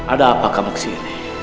ada apa kamu kesini